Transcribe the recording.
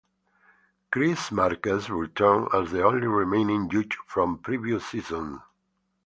Chris Marques returns as the only remaining judge from previous seasons.